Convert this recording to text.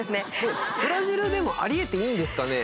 ブラジルでもあり得ていいんですかね？